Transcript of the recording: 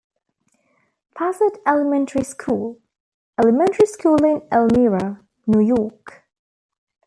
Fassett Elementary School - Elementary School in Elmira, New York.